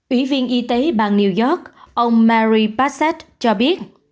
ủy viên y tế bang new york ông mary bassett cho biết